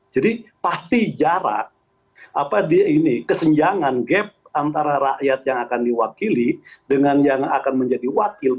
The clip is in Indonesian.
pasti jarak kesenjangan gap antara rakyat yang akan diwakili dengan yang akan menjadi wakil